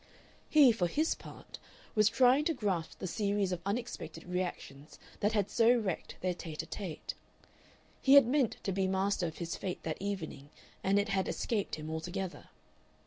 He, for his part, was trying to grasp the series of unexpected reactions that had so wrecked their tete a tete. He had meant to be master of his fate that evening and it had escaped him altogether.